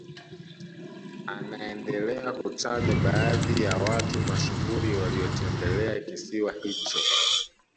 Anaendelea kutaja baadhi ya watu mashuhuri waliotembelea kisiwa hicho